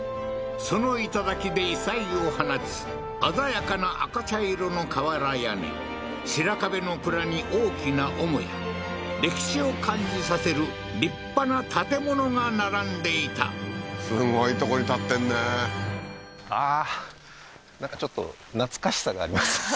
その頂で異彩を放つ鮮やかな赤茶色の瓦屋根白壁の蔵に大きな母屋歴史を感じさせる立派な建物が並んでいたすごいとこに建ってんねあっ